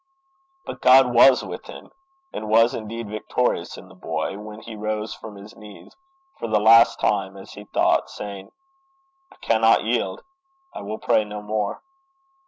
But God was with him, and was indeed victorious in the boy when he rose from his knees, for the last time, as he thought, saying, 'I cannot yield I will pray no more.'